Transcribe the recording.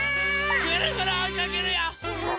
ぐるぐるおいかけるよ！